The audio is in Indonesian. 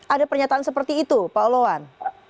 ada pernyataan seperti itu pak oloan